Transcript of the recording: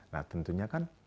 nah tentunya kan